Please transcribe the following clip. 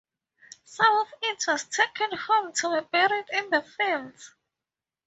Some of it was taken home to be buried in the fields.